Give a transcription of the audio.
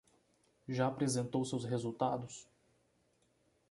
Já apresentou seus resultados?